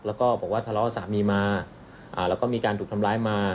แล้วก็บอกว่าทะเลาะกับสามีมาแล้วก็มีการถูกทำร้ายมา